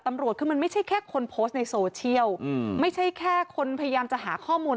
ตำรวจคือมันไม่ใช่แค่คนโพสต์ในโซเชียลอืมไม่ใช่แค่คนพยายามจะหาข้อมูล